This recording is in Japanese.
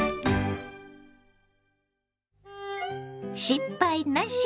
「失敗なし！